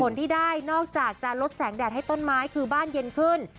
ที่ได้นอกจากจะลดแสงแดดให้ต้นไม้คือบ้านเย็นขึ้น